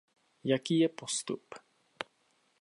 Jaký je postup?